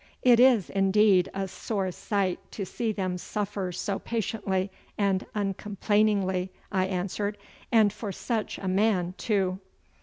'It is, indeed, a sore sight to see them suffer so patiently and uncomplainingly,' I answered, 'and for such a man, too!